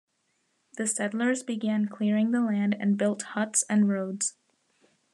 The settlers began clearing the land and built huts and roads.